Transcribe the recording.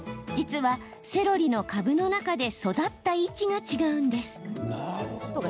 実は、セロリの株の中で育った位置が違うんです。